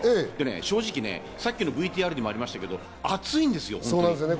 正直、さっきのＶＴＲにもありましたけど暑いんですよ。